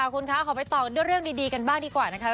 คุณคะขอไปต่อกันด้วยเรื่องดีกันบ้างดีกว่านะคะ